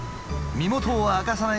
「身元を明かさない」。